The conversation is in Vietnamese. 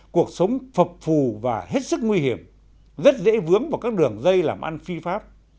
cuộc sống phập phù và hết sức nguy hiểm rất dễ vướng vào các đường dây làm ăn phi pháp